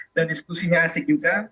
dan diskusinya asik juga